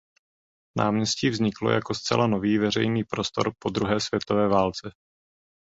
Náměstí vzniklo jako zcela nový veřejný prostor po druhé světové válce.